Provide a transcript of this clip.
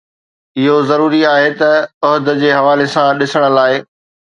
اهو ضروري آهي ته عهد جي حوالي سان ڏسڻ لاء